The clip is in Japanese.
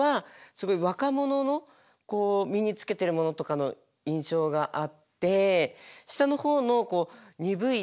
すごい若者のこう身につけてるモノとかの印象があって下の方のにぶい